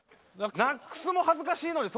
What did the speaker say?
ナックスも恥ずかしいのに